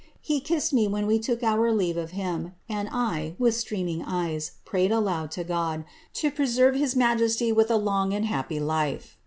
He kissed me when we took our leave of him ; and 1, with stresoh ing eyes, prayed aloud to God, to preserve his majesty with a long asd happy life.